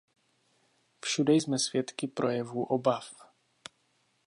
Všude jsme svědky projevů obav.